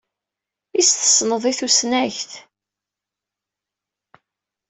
Is tessned i tusnakt?